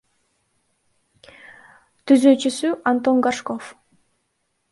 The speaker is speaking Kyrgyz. Түзүүчүсү — Антон Горшков.